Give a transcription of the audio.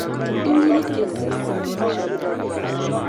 n lili kpe zibisim ni.